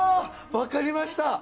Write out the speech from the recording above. わかりました！